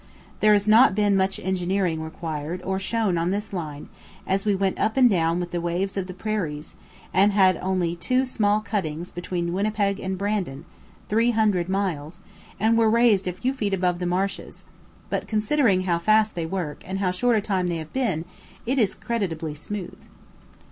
There has not been much engineering required or shown on this line, as we went up and down with the waves of the prairies, had only two small cuttings between Winnipeg and Brandon, three hundred miles, and were raised a few feet above the marshes; but considering how fast they work and how short a time they have been, it is creditably smooth.